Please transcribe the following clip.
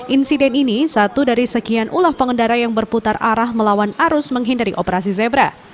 insiden ini satu dari sekian ulah pengendara yang berputar arah melawan arus menghindari operasi zebra